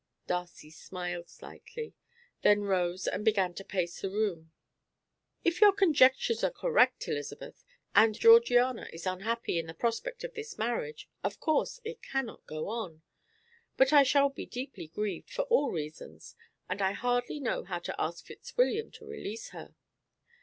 Darcy smiled slightly, then rose and began to pace the room. "If your conjectures are correct, Elizabeth, and Georgiana is unhappy in the prospect of this marriage, of course it cannot go on; but I shall be deeply grieved for all reasons, and I hardly know how to ask Fitzwilliam to release her.